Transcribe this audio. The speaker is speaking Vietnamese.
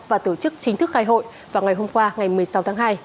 và tổ chức chính thức khai hội vào ngày hôm qua ngày một mươi sáu tháng hai